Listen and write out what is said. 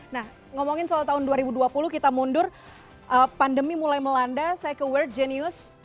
nah ngomongin soal tahun dua ribu dua puluh kita mundur pandemi mulai melanda saya ke world genius